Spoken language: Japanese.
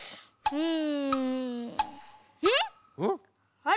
うん。